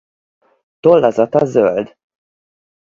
Tollazata zöld.